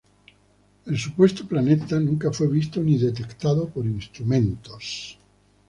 El supuesto planeta nunca fue visto ni detectado por instrumentos.